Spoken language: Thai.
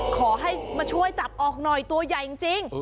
ขอให้มาช่วยจับออกหน่อยตัวใหญ่จริง